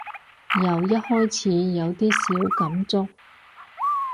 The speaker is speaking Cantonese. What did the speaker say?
由一開始有啲小感觸